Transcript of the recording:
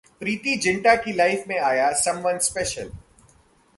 प्रीति जिंटा की लाइफ में आया 'Someone special'